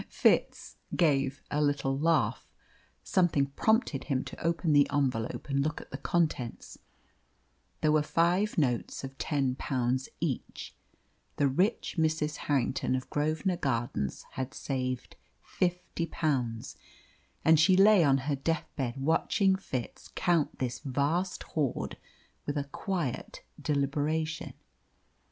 Fitz gave a little laugh. Something prompted him to open the envelope and look at the contents. There were five notes of ten pounds each. The rich Mrs. Harrington of Grosvenor Gardens had saved fifty pounds, and she lay on her death bed watching Fitz count this vast hoard with a quiet deliberation.